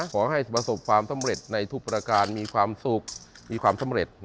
ขอให้ประสบความสำเร็จในทุกประการมีความสุขมีความสำเร็จ